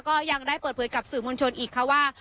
ก็ยังได้เปิดเผยกับสื่อมวลชนอีกค่ะว่า